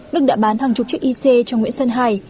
đức đã bán hàng chục chiếc ic cho nguyễn sơn hải